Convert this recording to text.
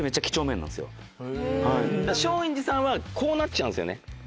松陰寺さんはこうなっちゃうんですよね。